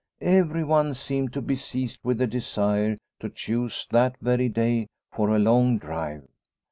Everyone seemed to be seized with a desire to choose that very day for a long drive.